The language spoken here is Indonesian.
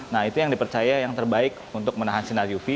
nah itu yang dipercaya yang terbaik untuk menahan sinar uv